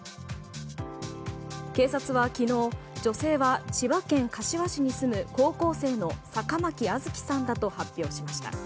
警察は昨日女性は千葉県柏市に住む高校生の坂巻杏月さんだと発表しました。